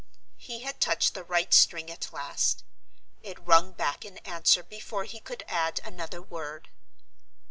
He had touched the right string at last. It rung back in answer before he could add another word.